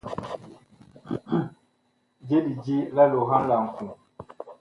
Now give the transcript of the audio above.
Je lidi la loohan la ŋku.